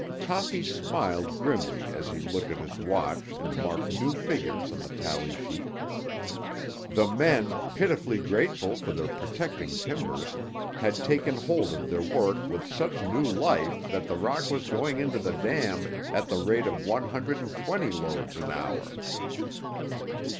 Toppy smiled grimly as he looked at his watch and marked new figures on the tally sheet. The men, pitifully grateful for the protecting timbers, had taken hold of their work with such new life that the rock was going into the dam at the rate of one hundred and twenty loads an hour.